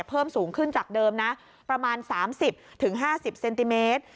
เพิ่มสูงขึ้นจากเดิมนะประมาณ๓๐๕๐เซนติเมตร